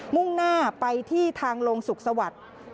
มุ่งหน้าไปที่ทางโรงศุกร์สวรรค์